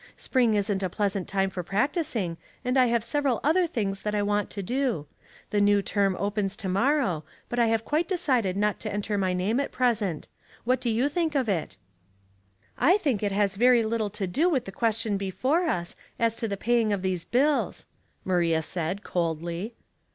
Spring isn't a pleasant time for practicing, and I have several other things that I want to do. The new term opens to morrow, but I have quite decided not to enter my name at present. What do you think of it?" '^ 1 think it h«,s very little to do with the question before us, as to the paying of these bills," Maria said, coldly.